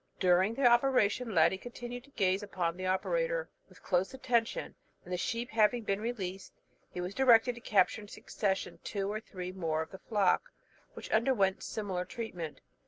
During the operation, Ladie continued to gaze on the operator with close attention; and the sheep having been released, he was directed to capture in succession two or three more of the flock, which underwent similar treatment.